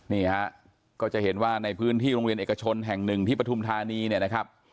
นี่ฮะก็จะเห็นว่าในพื้นที่โรงเรียนเอกชนแห่งหนึ่งที่ปฐุมธานีเนี่ยนะครับ